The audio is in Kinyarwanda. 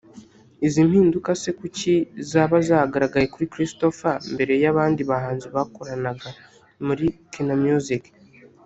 Izi mpinduka se kuki zaba zagaragaye kuri Christopher mbere y’abandi bahanzi bakoranaga muri Kina Music